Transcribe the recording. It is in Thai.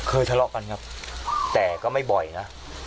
ทะเลาะกันครับแต่ก็ไม่บ่อยนะ